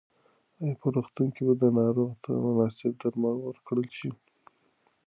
ایا په روغتون کې به ناروغ ته مناسب درمل ورکړل شي؟